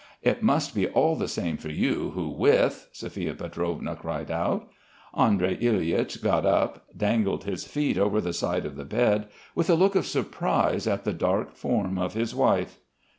"It must be all the same for you, who with," Sophia Pietrovna cried out. Andrey Ilyitch got up, dangled his feet over the side of the bed, with a look of surprise at the dark form of his wife.